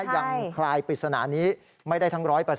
คลายปริศนานี้ไม่ได้ทั้ง๑๐๐